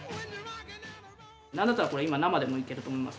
なんだったらこれ今生でもいけると思います。